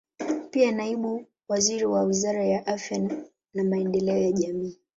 Pia ni naibu waziri wa Wizara ya Afya na Maendeleo ya Jamii.